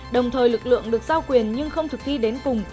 đồng thời lực lượng được giao quyền nhưng không thực thi đến cùng